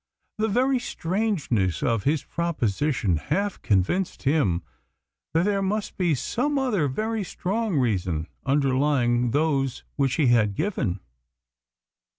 The very strangeness of his proposition half convinced him that there must be some other very strong reason underlying those which he had given.